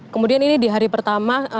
kemudian ini di hari pertama